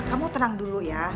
kamu tenang dulu ya